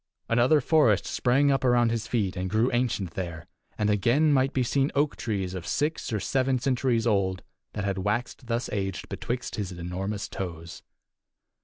Another forest sprang up around his feet and grew ancient there, and again might be seen oak trees of six or seven centuries old, that had waxed thus aged betwixt his enormous toes.